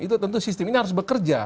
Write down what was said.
itu tentu sistem ini harus bekerja